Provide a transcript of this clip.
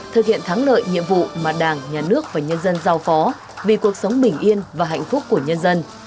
thực hiện thắng lợi nhiệm vụ mà đảng nhà nước và nhân dân giao phó vì cuộc sống bình yên và hạnh phúc của nhân dân